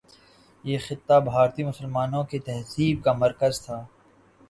یہ خطہ بھارتی مسلمانوں کی تہذیب کا مرکز تھا۔